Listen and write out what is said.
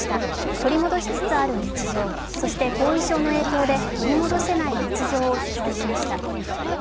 取り戻しつつある日常、そして後遺症の影響で取り戻せない日常を取材しました。